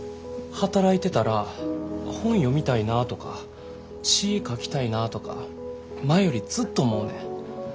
働いてたら本読みたいなとか詩ぃ書きたいなぁとか前よりずっと思うねん。